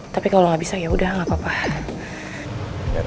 tapi kalau nggak bisa yaudah nggak apa apa